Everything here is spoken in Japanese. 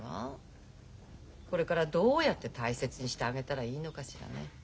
これからどうやって大切にしてあげたらいいのかしらね。